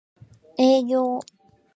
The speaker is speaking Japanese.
営業